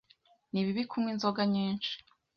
Ni bibi kunywa inzoga nyinshi.